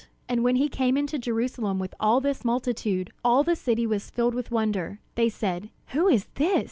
And when he came into Jerusalem with all this multitude, all the city was filled with wonder. They said: "Who is this?"